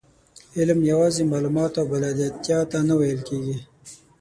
علم یوازې معلوماتو او بلدتیا ته نه ویل کېږي.